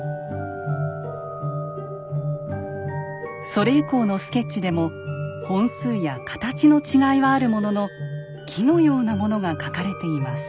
それ以降のスケッチでも本数やカタチの違いはあるものの木のようなものが描かれています。